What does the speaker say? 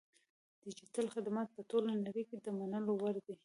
ډیجیټل خدمات په ټوله نړۍ کې د منلو وړ دي.